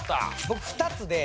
僕２つで。